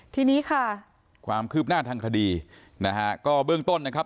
ทีนี้ค่ะความคืบหน้าทางคดีนะฮะก็เบื้องต้นนะครับ